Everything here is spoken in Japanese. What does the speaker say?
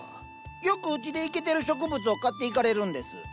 よくうちでイケてる植物を買っていかれるんです。